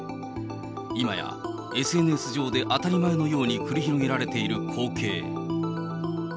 今や、ＳＮＳ上で当たり前のように繰り広げられている光景。